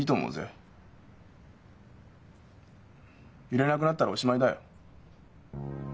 揺れなくなったらおしまいだよ。